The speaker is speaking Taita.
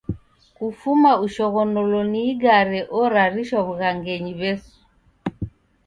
Kufuma ushoghonolo ni igare orarishwa w'ughangenyi W'esu.